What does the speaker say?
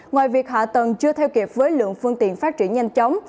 ngoài việc hạ tầng chưa theo kịp với lượng phương tiện phát triển nhanh chóng